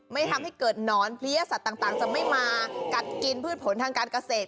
ไม่ทำให้เกิดนอนพิเศษต่างจะไม่มากัดกินพืชผลทางการเกษตร